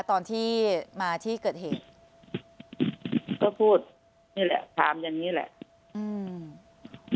ตอนที่มาที่เกิดเหตุก็พูดนี่แหละถามอย่างนี้แหละอืม